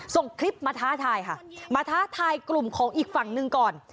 ส่งคลิปมาท้าทายค่ะมาท้าทายกลุ่มของอีกฝั่งหนึ่งก่อน